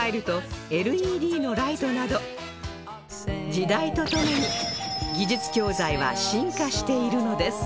時代とともに技術教材は進化しているのです